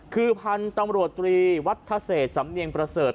คือพันธุ์ตำรวจตรีวัฒเศษสำเนียงประเสริฐ